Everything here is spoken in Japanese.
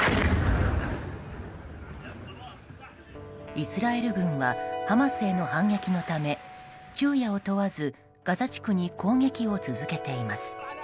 イスラエル軍はハマスへの反撃のため昼夜を問わず、ガザ地区に攻撃を続けています。